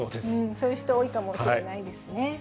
そういう人、多いかもしれないですね。